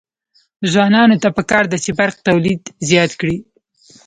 ځوانانو ته پکار ده چې، برق تولید زیات کړي.